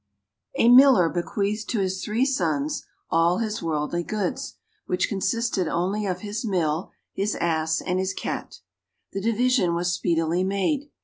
A Miller bequeathed to his three sons all his worldly goods, which consisted only of his mill, his ass, and his cat. The division was speedily made.